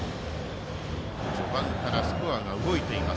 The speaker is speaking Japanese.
序盤からスコアが動いています